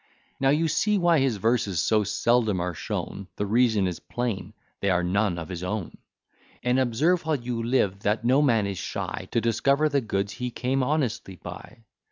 Now you see why his verses so seldom are shown, The reason is plain, they are none of his own; And observe while you live that no man is shy To discover the goods he came honestly by.